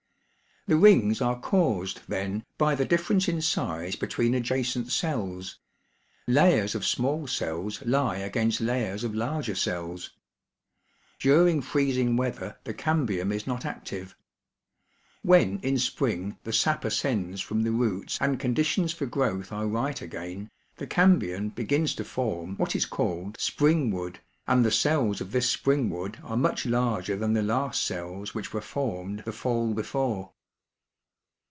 The rings are caused, then, by the difference in size be tween adjacent cells ; layers of small cells lie against layers of larger cells. During freezing weather the cambium is not active. When in spring the sap ascends from the roots and conditions for growth are right again, the cam bium begins to form what is called spring wood, and the cells of this spring wood are much larger than the last cells which were formed the fall before.